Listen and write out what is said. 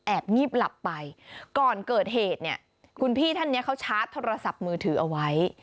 งีบหลับไปก่อนเกิดเหตุเนี่ยคุณพี่ท่านเนี้ยเขาชาร์จโทรศัพท์มือถือเอาไว้